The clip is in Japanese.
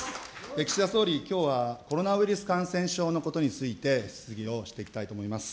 岸田総理、きょうはコロナウイルス感染症のことについて質疑をしていきたいと思います。